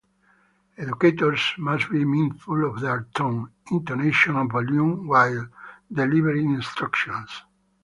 Educators must be mindful of their tone, intonation, and volume while delivering instructions.